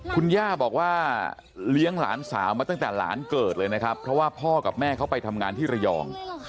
คุณย่าบอกว่าเลี้ยงหลานสาวมาตั้งแต่หลานเกิดเลยนะครับเพราะว่าพ่อกับแม่เขาไปทำงานที่ระยอง